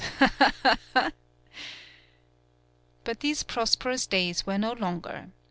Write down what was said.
ha ! ha !" But these prosperous days were no longer.